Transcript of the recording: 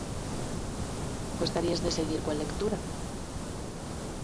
Gostarías de seguir coa lectura?